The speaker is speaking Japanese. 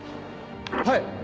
はい！